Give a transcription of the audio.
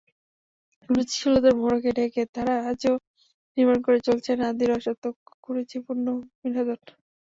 রুচিশীলতার মোড়কে ঢেকে তাঁরা আজও নির্মাণ করে চলেছেন আদি রসাত্মক কুরুচিপূর্ণ বিনোদন।